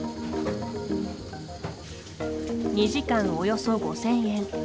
２時間およそ５０００円。